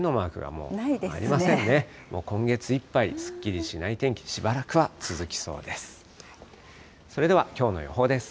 もう今月いっぱい、すっきりしない天気、しばらくは続きそうです。